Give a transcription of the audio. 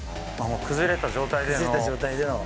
崩れた状態での。